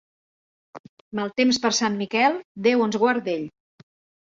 Mal temps per Sant Miquel, Déu ens guard d'ell.